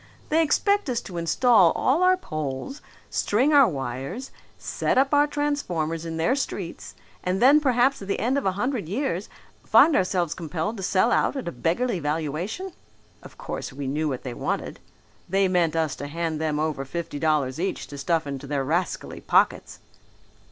They expect us to install all our poles, string our wires, set up our transformers in their streets and then perhaps at the end of a hundred years find ourselves compelled to sell out at a beggarly valuation. Of course we knew what they wanted. They meant us to hand them over fifty dollars each to stuff into their rascally pockets."